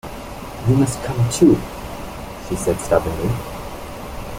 "You must come too," she said stubbornly.